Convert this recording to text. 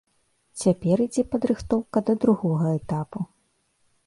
Цяпер ідзе падрыхтоўка да другога этапу.